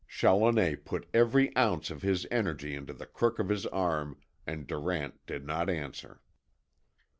Challoner put every ounce of his energy into the crook of his arm, and Durant did not answer.